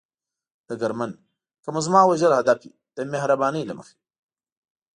ډګرمن: که مو زما وژل هدف وي، د مهربانۍ له مخې.